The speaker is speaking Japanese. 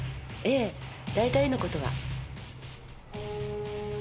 ええ大体の事は。